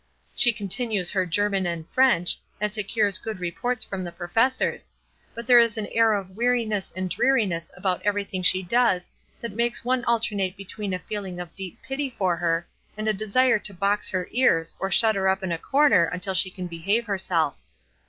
She continues her German and French, and secures good reports from the professors, but there is an air of weariness and dreariness about everything she does that makes one alternate between a feeling of deep pity for her, and a desire to box her ears or shut her up in a corner until she can behave herself.